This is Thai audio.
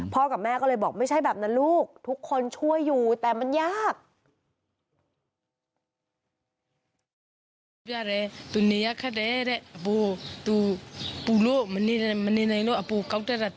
กับแม่ก็เลยบอกไม่ใช่แบบนั้นลูกทุกคนช่วยอยู่แต่มันยาก